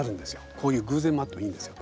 こういう偶然もあってもいいんですよ。